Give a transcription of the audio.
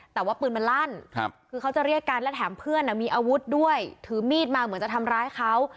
แต่ว่าปืนมันลั่นคือเขาจะเรียกกันและแถมเพื่อนมีอาวุธด้วยถือมีดมาเหมือนจะทำร้ายเขา